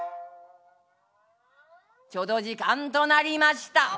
ちょうど時間となりました